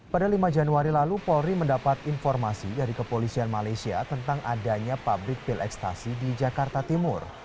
pada lima januari lalu polri mendapat informasi dari kepolisian malaysia tentang adanya pabrik pil ekstasi di jakarta timur